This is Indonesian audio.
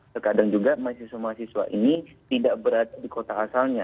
terkadang juga mahasiswa mahasiswa ini tidak berada di kota asalnya